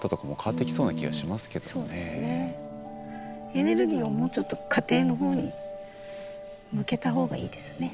エネルギーをもうちょっと家庭のほうに向けたほうがいいですね。